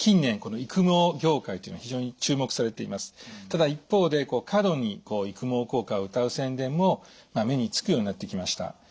ただ一方で過度に育毛効果をうたう宣伝も目につくようになってきました。